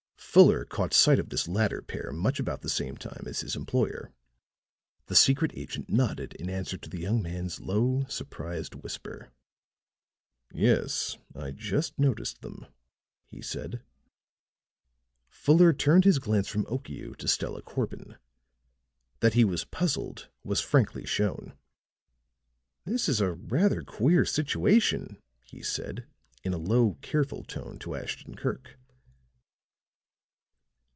Fuller caught sight of this latter pair much about the same time as his employer. The secret agent nodded in answer to the young man's low, surprised whisper. "Yes, I just noticed them," he said. Fuller turned his glance from Okiu to Stella Corbin; that he was puzzled was frankly shown. "This is a rather queer situation," he said, in a low, careful tone to Ashton Kirk.